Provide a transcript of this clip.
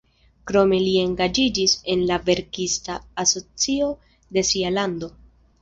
Krome li engaĝiĝis en la verkista asocio de sia lando.